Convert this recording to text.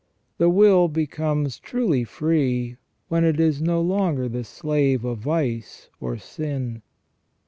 The will becomes truly free when it is no longer the slave of vice or sin.